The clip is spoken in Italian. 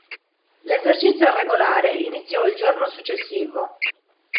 L'esercizio regolare iniziò il giorno successivo.